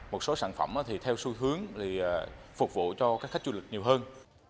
một số sản phẩm theo xu hướng phục vụ cho các khách du lịch nhiều hơn